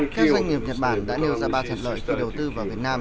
các doanh nghiệp nhật bản đã nêu ra ba thuận lợi khi đầu tư vào việt nam